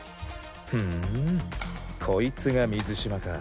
ふんこいつが水嶋か。